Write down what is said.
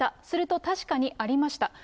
すると確かにありました。